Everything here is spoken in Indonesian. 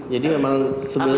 jadi memang sebenarnya